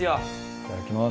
いただきます。